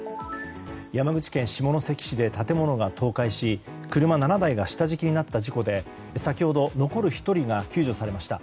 山口県下関市で建物が倒壊し車７台が下敷きになった事故で先ほど、残る１人が救助されました。